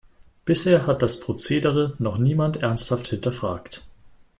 Bisher hat das Prozedere noch niemand ernsthaft hinterfragt.